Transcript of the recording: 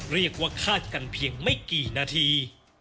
เรียกว่าคาดกันเพียงไม่กี่นาที